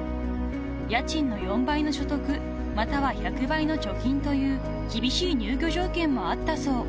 ［家賃の４倍の所得または１００倍の貯金という厳しい入居条件もあったそう］